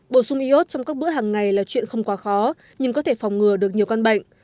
bổ sung iốt trong các bữa hàng ngày là chuyện không quá khó nhưng có thể phòng ngừa được nhiều căn bệnh